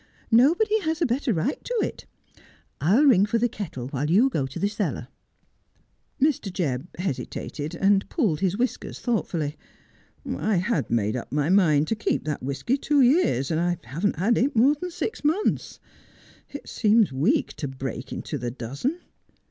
Nobody has a better right to it. I'll ring for the kettle while you go to the cellar.' Mr. Jebb hesitated, and pulled his whiskers thoughtfully. ' I had made up my mind to keep that whisky two years ; and I haven't had it mere than six months. It seems weak to break into the dozen.'